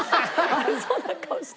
「悪そうな顔して」。